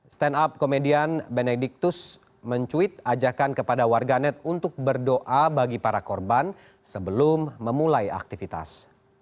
stand up komedian benediktus mencuit ajakan kepada warganet untuk berdoa bagi para korban sebelum memulai aktivitas